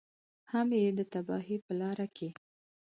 هم یې د تباهۍ په لاره کې.